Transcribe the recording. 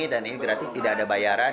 dan ini gratis tidak ada bayaran